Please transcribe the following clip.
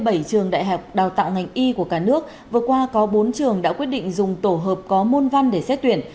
thưa quý vị trong số hai mươi bảy trường đại học đào tạo ngành y của cả nước vừa qua có bốn trường đã quyết định dùng tổ hợp có môn văn để xét tuyển